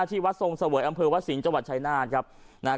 ที่วัดทรงเสวยอำเภอวัดสิงห์จังหวัดชายนาฏครับนะฮะ